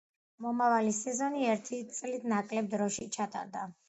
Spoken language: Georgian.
მომავალი სეზონი ერთი წლით ნაკლებ დროში ჩატარდა.